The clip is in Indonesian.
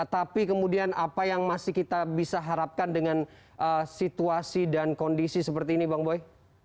tapi kemudian apa yang masih kita bisa harapkan dengan situasi dan kondisi seperti ini bang boy